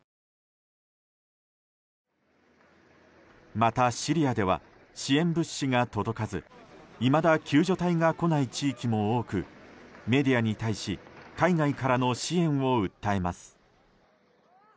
また、シリアでは支援物資が届かずいまだ救助隊が来ない地域も多くメディアに対し海外からの支援を訴えます。